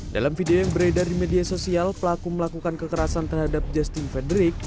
dalam video yang beredar di media sosial pelaku melakukan kekerasan terhadap justin frederick